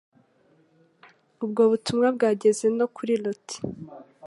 Ubwo butumwa bwageze no kuri Loti